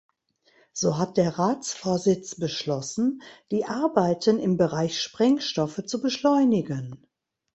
So hat der Ratsvorsitz beschlossen, die Arbeiten im Bereich Sprengstoffe zu beschleunigen.